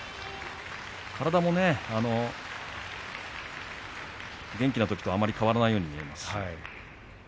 体も元気なときとあまり変わらないように見えます。